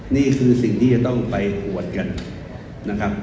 นี่คือสิ่งที่จะต้องไปอวดกันนะครับ